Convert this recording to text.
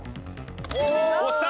押した！